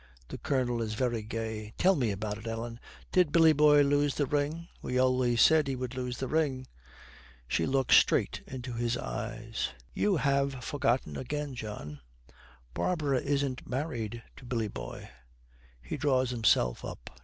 The Colonel is very gay. 'Tell me all about it, Ellen. Did Billy boy lose the ring? We always said he would lose the ring.' She looks straight into his eyes. 'You have forgotten again, John. Barbara isn't married to Billy boy.' He draws himself up.